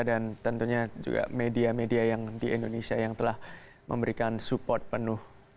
dan tentunya juga media media yang di indonesia yang telah memberikan support penuh